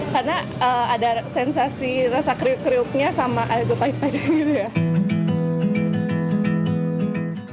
karena ada sensasi rasa kriuk kriuknya sama air goreng kriuknya gitu ya